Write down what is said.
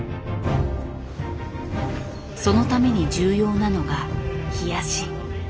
そのために重要なのが「冷やし」。